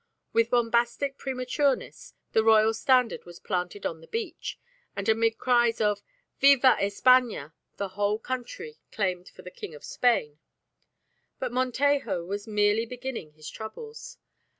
With bombastic prematureness the royal standard was planted on the beach, and amid cries of "Viva España!" the whole country claimed for the King of Spain. But Montejo was merely beginning his troubles.